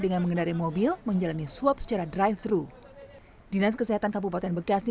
dengan mengendari mobil menjalani swab secara drive thru dinas kesehatan kabupaten bekasi